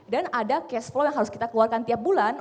dan ada cashflow yang harus kita keluarkan tiap bulan